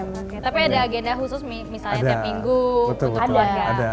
tapi ada agenda khusus misalnya tiap minggu